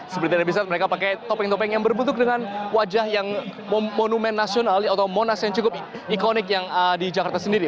seperti anda bisa mereka pakai topeng topeng yang berbentuk dengan wajah yang monumen nasional atau monas yang cukup ikonik yang di jakarta sendiri